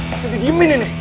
harusnya didiemin ini